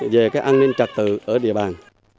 về cái an ninh trật tự ở địa bàn